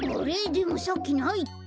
でもさっきないって。